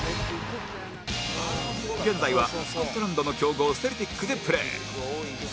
現在はスコットランドの強豪セルティックでプレー